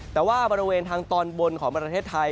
แต่ว่าบริเวณทางตอนบนของประเทศไทย